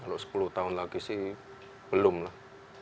kalau sepuluh tahun lagi sih belum lah